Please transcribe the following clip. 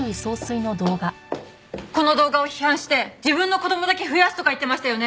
この動画を批判して自分の子供だけ増やすとか言ってましたよね？